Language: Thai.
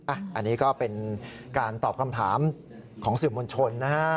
อันนี้ก็เป็นการตอบคำถามของสื่อมวลชนนะฮะ